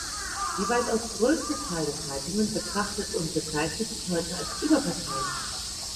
Die weitaus größte Zahl der Zeitungen betrachtet und bezeichnet sich heute als überparteilich.